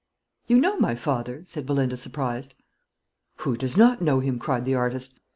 "You know my father?" said Belinda, surprised. "Who does not know him?" cried the artist.